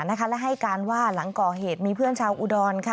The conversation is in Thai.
และให้การว่าหลังก่อเหตุมีเพื่อนชาวอุดร